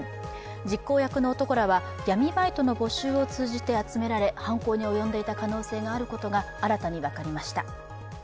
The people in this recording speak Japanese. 実行役の男らは闇バイトの募集を通じて集められ犯行に及んでいた可能性があることが新たに分かりました。